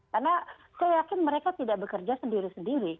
karena saya yakin mereka tidak bekerja sendiri sendiri